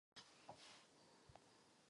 Taktéž měl na starosti kolejová vozidla.